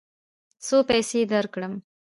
څو پیسې درکړم؟